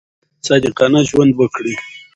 صادقانه ژوند وکړئ.